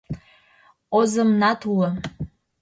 Озымнат уло.